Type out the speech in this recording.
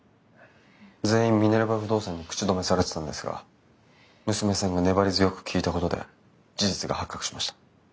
全員ミネルヴァ不動産に口止めされてたんですが娘さんが粘り強く聞いたことで事実が発覚しました。